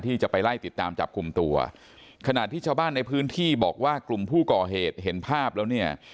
ที่จะไปไล่ติดตามจับกลุ่มตัวขณะที่ชาวบ้านในพื้นที่บอกว่ากลุ่มผู้ก่อเหตุเห็นภาพแล้วเนี่ย